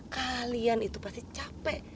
kalian itu pasti capek